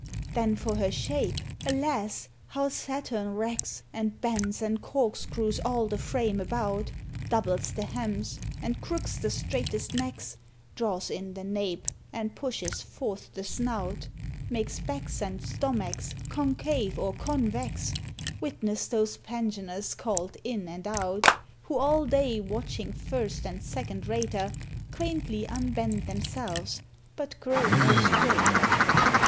Then for her shape alas! how Saturn wrecks, And bends, and corkscrews all the frame about, Doubles the hams, and crooks the straightest necks, Draws in the nape, and pushes forth the snout, Makes backs and stomachs concave or convex: Witness those pensioners called In and Out, Who all day watching first and second rater, Quaintly unbend themselves but grow no straighter.